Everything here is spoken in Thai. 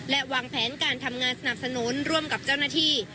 และวางแผนการทำงานสนับสนุนร่วมกับเจ้าหน้าที่